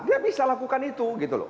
dia bisa lakukan itu gitu loh